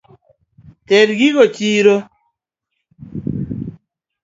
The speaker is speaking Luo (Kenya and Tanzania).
Ter gigo chiro.